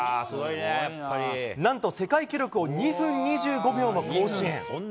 なんと世界記録を２分２５秒も更新。